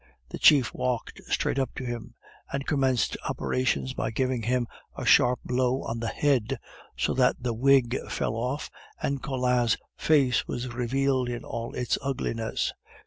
The chief walked straight up to him, and commenced operations by giving him a sharp blow on the head, so that the wig fell off, and Collin's face was revealed in all its ugliness.